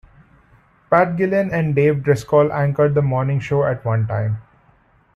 Pat Gillen and Dave Driscoll anchored the morning show at one time.